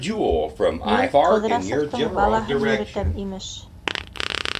«Мин Ҡыҙрасовтың балаһын йөрөтәм!», имеш.